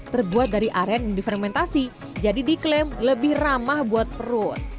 terbuat dari aren yang difermentasi jadi diklaim lebih ramah buat perut